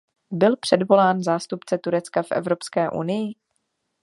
Byl předvolán zástupce Turecka v Evropské unii?